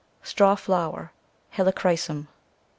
Straw Flower, C< Helichrysum.